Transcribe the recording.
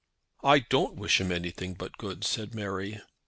"I don't wish him anything but good," said Mary.